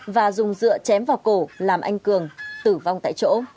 và dùng dựa chém vào cổ làm anh cường tử vong tại chỗ